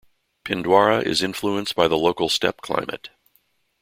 Pindwara is influenced by the local steppe climate.